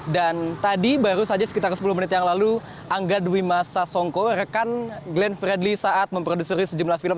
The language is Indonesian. dan tadi baru saja sekitar sepuluh menit yang lalu angga dwi masa songko rekan glenn fredly saat memproduksi sejumlah film